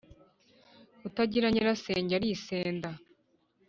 Utagira Nyirasenge arisenga